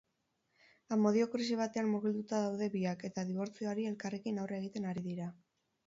Amodio krisi batean murgilduta daude biak eta dibortzioari elkarrekin aurre egiten ari dira.